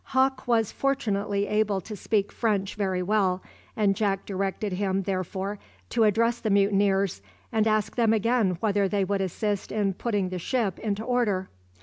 Hawke was fortunately able to speak French very well, and Jack directed him therefore to address the mutineers, and ask them again whether they would assist in putting the ship into order.